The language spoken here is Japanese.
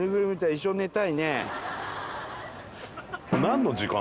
一緒に寝たいね。